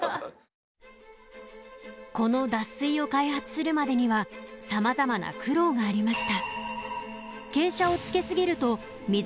この脱水を開発するまでにはさまざまな苦労がありました。